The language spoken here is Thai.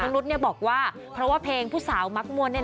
นุษย์บอกว่าเพราะว่าเพลงผู้สาวมักมวล